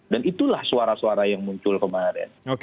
itulah suara suara yang muncul kemarin